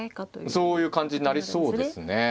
そういう感じになりそうですねええ。